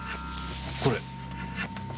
これ？